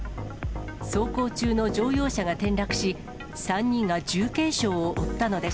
走行中の乗用車が転落し、３人が重軽傷を負ったのです。